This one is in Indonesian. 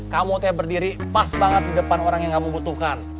kamu kayak berdiri pas banget di depan orang yang kamu butuhkan